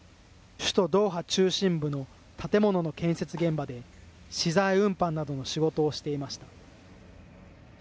首都ドーハ中心部の建物の建設現場で、資材運搬などの仕事をしていました。